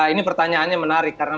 ini pertanyaannya menarik karena